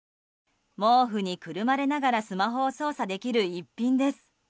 毛布にくるまれながらスマホを操作できる一品です。